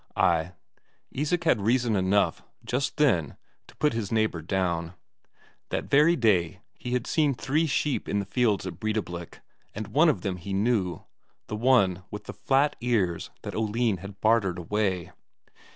Ay, Isak had reason enough just then to put his neighbour down; that very day he had seen three sheep in the fields at Breidablik, and one of them he knew the one with the flat ears that Oline had bartered away.